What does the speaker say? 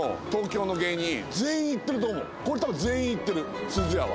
これ多分全員行ってるすずやは。